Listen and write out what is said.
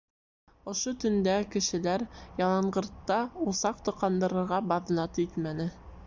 Ошо төндө кешеләр яланғыртта усаҡ тоҡандырырға баҙнат итмәне.